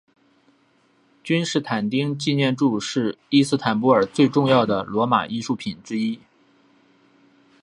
君士坦丁纪念柱是伊斯坦布尔最重要的罗马艺术品之一。